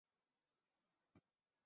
后官任浙江德清知县。